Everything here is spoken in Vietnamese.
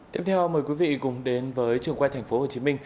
tiếp theo mời quý vị cùng đến với trường quay tp hcm